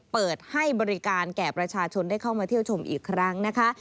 เปิดให้บริการแก่ประชาชนได้เข้ามาเที่ยวชมอีกครั้งนะคะ